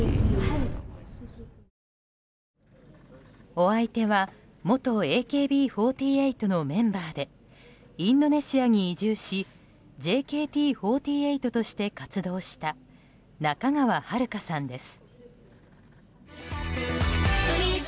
お相手は元ＡＫＢ４８のメンバーでインドネシアに移住しＪＫＴ４８として活動した仲川遥香さんです。